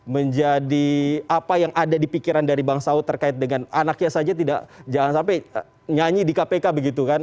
menjadi apa yang ada di pikiran dari bang saud terkait dengan anaknya saja tidak jangan sampai nyanyi di kpk begitu kan